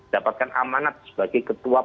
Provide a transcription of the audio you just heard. dapatkan amanat sebagai ketua